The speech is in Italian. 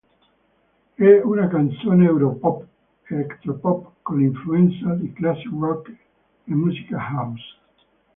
È una canzone europop elettropop con influenze di classic rock e musica house.